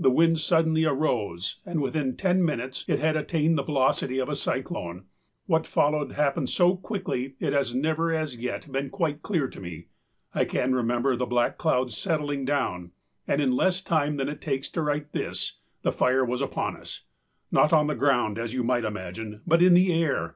The wind suddenly arose and within ten minutes it had attained the velocity of a cyclone; what followed happened so quickly it has never as yet been quite clear to me. I can remember the black cloud settling down and in less time than it takes to write this, the fire was upon us not on the ground as you might imagine, but in the air.